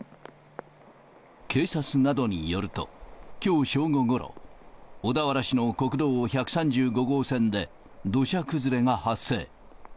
警察などによると、きょう正午ごろ、小田原市の国道１３５号線で土砂崩れが発生。